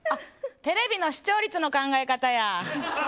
テレビの視聴率の考え方や。